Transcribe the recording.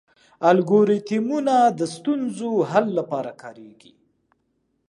الګوریتمونه د ستونزو حل لپاره کارېږي.